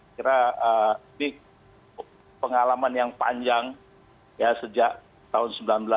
kira kira ini pengalaman yang panjang ya sejak tahun sembilan belas